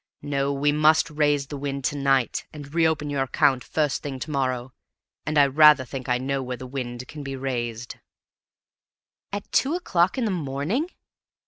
No, we must raise the wind to night and re open your account first thing to morrow. And I rather think I know where the wind can be raised." "At two o'clock in the morning?"